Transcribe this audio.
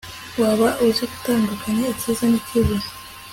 waba uzi gutandukanya icyiza n'ikibi